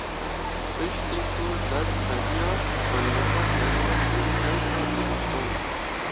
Piştî ku ders qediya, xwendekar derketin hewşa dibistanê.